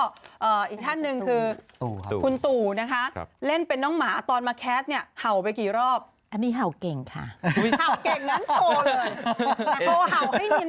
มีทัพสิทธิ์หรือเปล่าค่ะคุณผู้ชมอยากให้แบบนี้ค่ะคุณผู้ชม